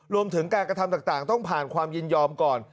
รวมถึงการกระทำต่างต้องผ่านความยินยอมก่อน